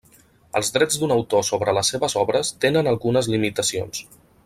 Els drets d'un autor sobre les seves obres tenen algunes limitacions.